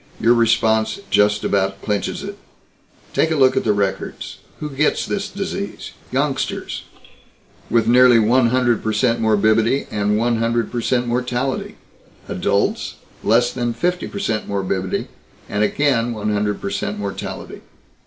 Your response just about clinches it. Take a look at the records. Who gets this disease? Youngsters with nearly one hundred per cent morbidity and one hundred per cent mortality. Adults less than fifty per cent morbidity and again one hundred per cent mortality.